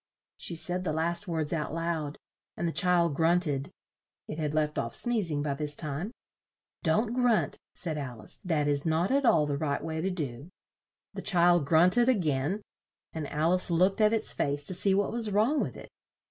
She said the last words out loud, and the child grunt ed (it had left off sneez ing by this time). "Don't grunt," said Al ice, "that is not at all the right way to do." The child grunt ed a gain and Al ice looked at its face to see what was wrong with it.